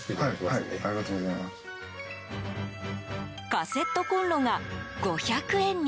カセットコンロが５００円に。